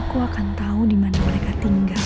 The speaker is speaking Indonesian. sekarang aku akan tahu dimana mereka tinggal